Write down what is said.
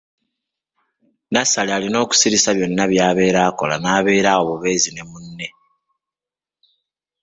Nassali alina okusirisa byonna by'abeera akola n'abeera bubeezi awo munne.